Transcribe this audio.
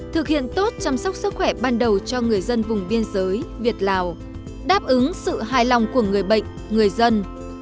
thực hiện tốt chăm sóc sức khỏe ban đầu cho người dân vùng biên giới việt lào đáp ứng sự hài lòng của người bệnh người dân